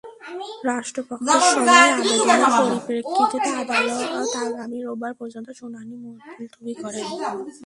রাষ্ট্রপক্ষের সময় আবেদনের পরিপ্রেক্ষিতে আদালত আগামী রোববার পর্যন্ত শুনানি মুলতবি করেন।